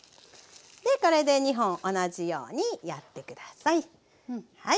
これで２本同じようにやってください。